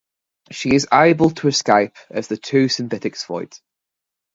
She is able to escape as the two synthetics fight.